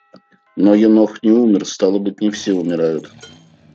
Но Енох не умер, стало быть, не все умирают.